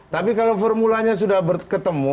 tapi kalau formulanya sudah ketemu